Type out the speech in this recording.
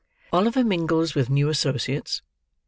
OLIVER MINGLES WITH NEW ASSOCIATES.